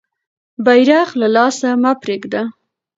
بیرغ له لاسه مه پرېږده.